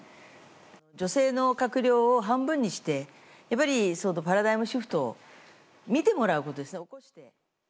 女性の閣僚を半分にして、やっぱりパラダイムシフトを見てもらうことですね。